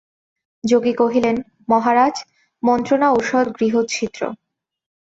যোগী কহিলেন, মহারাজ, মন্ত্রণা ঔষধ গৃহচ্ছিদ্র।